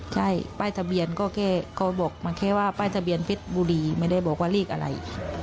ใช่ป้ายทะเบียนก็แค่เขาบอกมาแค่ว่าป้ายทะเบียนเพชรบุรีไม่ได้บอกว่าเลขอะไร